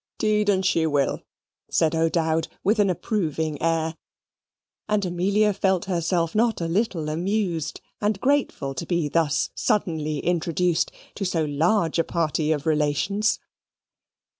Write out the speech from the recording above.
"'Deed and she will," said O'Dowd, with an approving air, and Amelia felt herself not a little amused and grateful to be thus suddenly introduced to so large a party of relations.